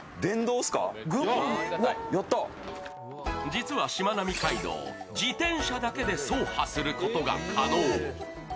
実はしまなみ海道、自転車だけで走破することが可能。